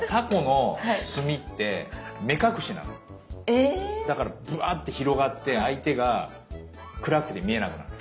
えぇ⁉だからぶわって広がって相手が暗くて見えなくなるの。